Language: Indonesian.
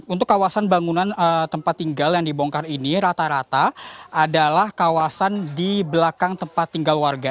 untuk kawasan bangunan tempat tinggal yang dibongkar ini rata rata adalah kawasan di belakang tempat tinggal warga